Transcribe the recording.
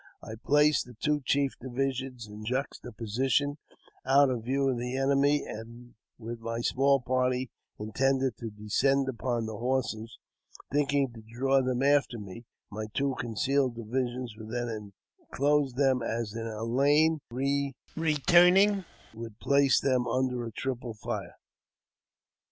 I placed the two chief divisions in juxtaposition, out of view of the enemy, and, with my small party, intended to descend upon the horses, thinking to draw them after me ; my two concealed divisions would then inclose them as in a lane, and we, re tarnihg, would place them under a triple fire.